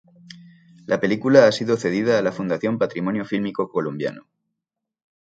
La película ha sido cedida a la Fundación Patrimonio Fílmico Colombiano.